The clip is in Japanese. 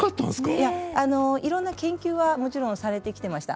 いやいろんな研究はもちろんされてきてました。